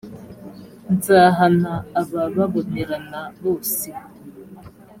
nzahana abababonerana bose